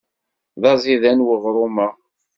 D aẓidan weɣrum-a.